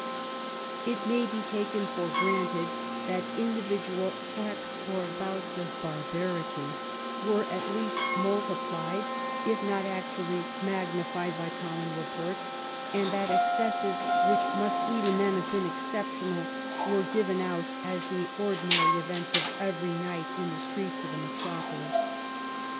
It may be taken for granted that individual acts or bouts of barbarity were at least multiplied, if not actually magnified, by common report, and that ex cesses which must even then have been exceptional were given out as the ordinary events of every night in the streets of the metropolis.